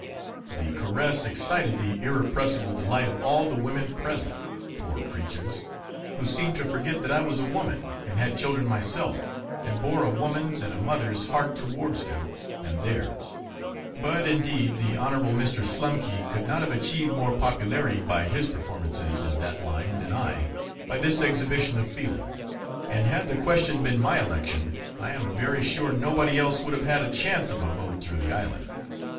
The caress excited the irrepressible delight of all the women present poor creatures! who seemed to forget that I was a woman, and had children myself, and bore a woman's and a mother's heart towards them and theirs; but, indeed, the Honourable Mr. Slumkey could not have achieved more popularity by his performances in that line than I, by this exhibition of feeling; and had the question been my election, I am very sure nobody else would have had a chance of a vote through the island.